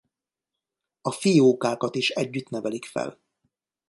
A fiókákat is együtt nevelik fel.